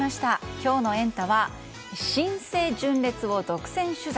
今日のエンタ！は新生・純烈を独占取材。